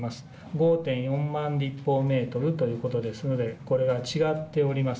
５．４万立方メートルということですので、これは違っております。